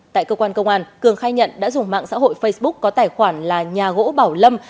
tại cơ quan công an cường khai nhận đã dùng mạng xã hội facebook có tài khoản là nhà gỗ bảo lâm